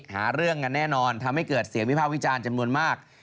หาเรื่องกันแน่นอนทำให้เกิดเสียงวิภาควิจารณ์จำนวนมาก